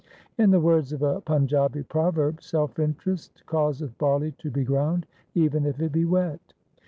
In the words of a Panjabi proverb, ' Self interest causeth barley to be ground, even if it be wet.'